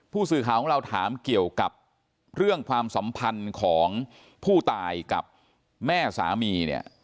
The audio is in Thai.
ผู้สื่อข่าวของเราถามเกี่ยวกับเรื่องความสัมพันธ์ของผู้ตายกับแม่สามีเนี่ย